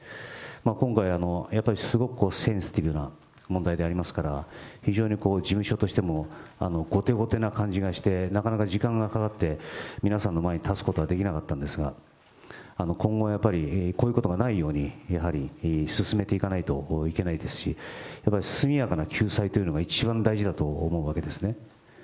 今回、やっぱりすごくセンシティブな問題でありますから、非常に事務所としても後手後手な感じがして、なかなか時間がかかって皆さんの前に立つことはできなかったんですが、今後やっぱり、こういうことがないように、やはり進めていかないといけないですし、速やかな救済というのが一番大事だと思うわけですね。